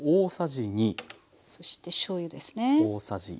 そしてしょうゆですね。